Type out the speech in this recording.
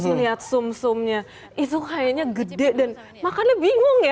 terus melihat sum sumnya itu kayaknya gede dan makanya bingung ya